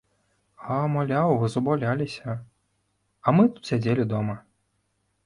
А, маўляў, вы забаўляліся, а мы тут сядзелі дома.